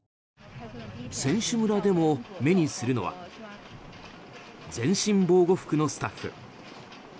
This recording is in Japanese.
選手村でも目にするのは全身防護服のスタッフ。